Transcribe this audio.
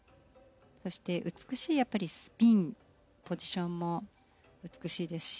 そして美しいやっぱりスピンポジションも美しいですし。